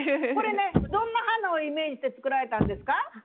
これねどんな花をイメージして作られたんですか？